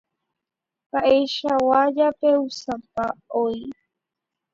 Mba'eichagua japeusápa oĩ.